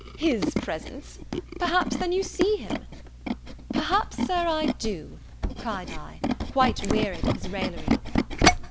"His presence! perhaps then you see him?" "Perhaps, Sir, I do," cried I, quite wearied of his raillery.